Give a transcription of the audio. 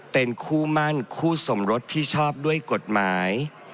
เป็นคู่มั่นคู่สมรสที่ชอบด้วยกฎหมาย